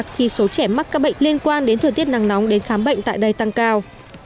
khi số trẻ mắc các bệnh liên quan đến thời tiết nắng nóng đến khám bệnh tại đây tăng cao